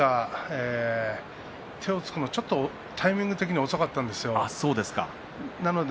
阿炎が手をつくのがタイミング的に遅かったんですよ。